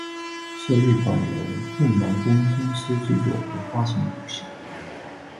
是一款由南梦宫公司制作和发行的游戏。